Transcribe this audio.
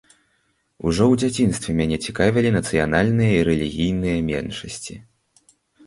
Ужо ў дзяцінстве мяне цікавілі нацыянальныя і рэлігійныя меншасці.